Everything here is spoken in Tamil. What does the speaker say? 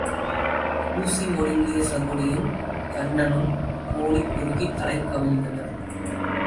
கூசி ஒடுங்கிய சகுனியும் கன்னனும் கூனிக் குறுகித் தலை கவிழ்ந்தனர்.